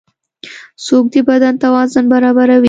خوب د بدن توازن برابروي